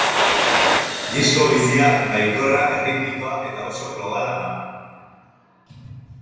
Disko bizia, baikorra erritmikoa eta oso globala da.